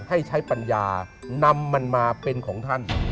ให้ใช้ปัญญานำมันมาเป็นของท่าน